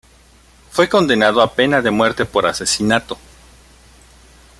Fue condenado a pena de muerte por asesinato.